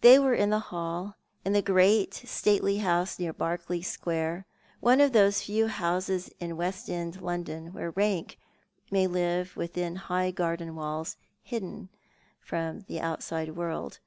They were in the hall, in the great stately house near Berkeley Square, one of those few houses in West End Loudon, where rank may live within high garden walls, hidden from the out side world.